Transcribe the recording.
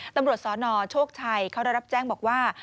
ตำรวจสนโชคชัยเขาได้รับแจ้งบอกว่า